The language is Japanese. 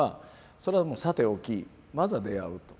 それはさておきまずは出会うと。